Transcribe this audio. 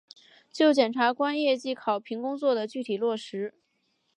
就检察官业绩考评工作的具体落实